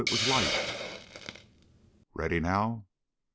It was life. "Ready, now?"